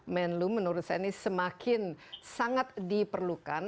menlu menurut saya ini semakin sangat diperlukan